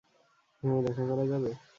হ্যাঁ, দেখা করা যাবে?